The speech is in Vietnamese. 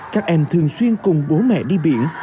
các em thường xuyên cùng bố mẹ đi biển